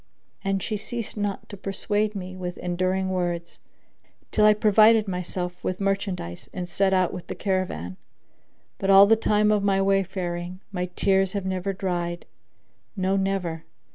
And she ceased not to persuade me with endearing words, till I provided myself with merchandise and set out with the caravan. But all the time of my wayfaring, my tears have never dried; no, never!